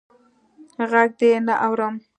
ږغ دي نه اورم.